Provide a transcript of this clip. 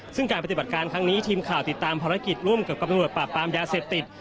ซึ่งการปฏิบัติการครั้งนี้ทีมข่าวติดตามภารกิจร่วมกับตำรวจปราบปรามยาเสพติด